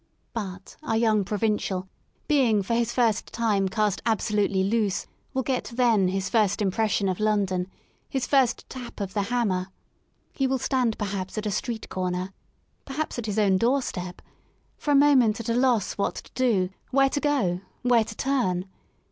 But our young Provincial being for his first time cast absolutely loose will get then his first impres sion of London^his first tap of the hammer. He will stand perhaps at a street corner, perhaps at his own doorstep, for a moment at a loss what to do, where to go, where to turn.